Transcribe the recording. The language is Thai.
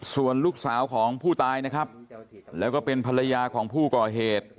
ส่วนลูกสาวของผู้ตายนะครับแล้วก็เป็นภรรยาของผู้ก่อเหตุ